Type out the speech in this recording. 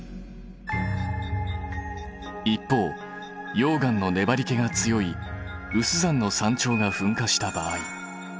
一方溶岩のねばりけが強い有珠山の山頂が噴火した場合。